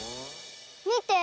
みて。